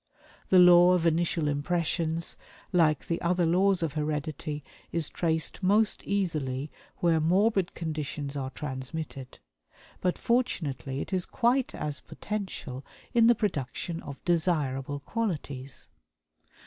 The law of initial impressions, like the other laws of heredity, is traced most easily where morbid conditions are transmitted; but fortunately it is quite as potential in the production of desirable qualities.